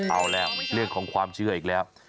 เอาแล้วเรื่องของความเชื่ออีกแล้ว